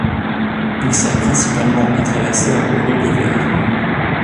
Il sert principalement à traverser un cours d'eau l'hiver.